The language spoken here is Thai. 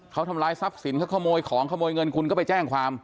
เขาทำร้ายทรัพย์สินเขาขโมยของขโมยเงินคุณก็ไปแจ้งความ